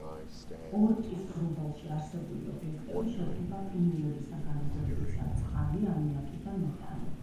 ორტის ღრუბელში არსებული ობიექტები შედგება ყინულებისაგან, როგორებიცაა წყალი, ამიაკი და მეთანი.